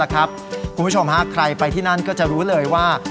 คุณผู้ชมใครไปที่นั่นก็จะรู้เลยว่า